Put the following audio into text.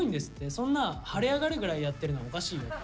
そんな腫れ上がるぐらいやってるのはおかしいよって。